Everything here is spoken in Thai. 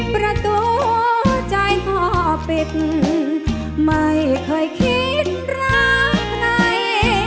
ประตูใจพ่อปิดไม่เคยคิดรักใคร